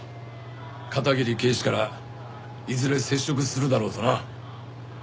片桐警視からいずれ接触するだろうとな。